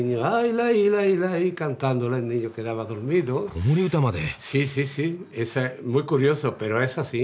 子守歌まで？